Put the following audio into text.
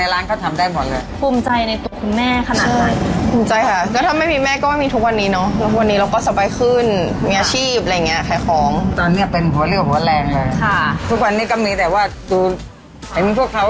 ลูกสาวคุณแม่ชื่ออะไรฮะ